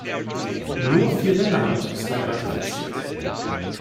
Nur vier Länder haben es bislang ratifiziert.